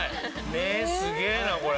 ねえすげえなこれ。